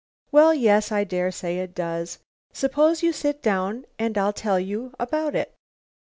Well, yes, I dare say it does. Suppose you sit down and I'll tell you about it."